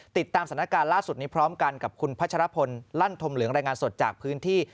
ติดตามสถานการณ์ล่าสุดนี้พร้อมกันกับคุณพัชรพลลั่นธมเหลืองรายงานสดจากพื้นที่